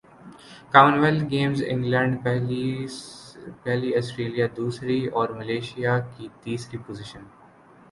common wealth Games England پہلی Australia دوسری اور ملائشیا کی تیسری پوزیشن